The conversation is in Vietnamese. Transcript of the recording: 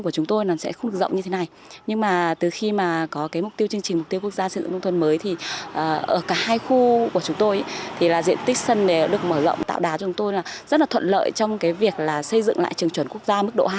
chúng tôi rất là thuận lợi trong việc xây dựng lại trường chuẩn quốc gia mức độ hai